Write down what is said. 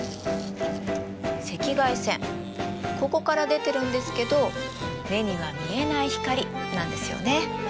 赤外線ここから出てるんですけど目には見えない光なんですよね。